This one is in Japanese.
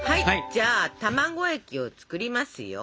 じゃあ卵液を作りますよ。